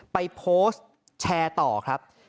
ไปโพสต์แชร์ต่อครับ